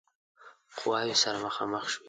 قواوې سره مخامخ شوې.